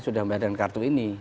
sudah membayar dengan kartu ini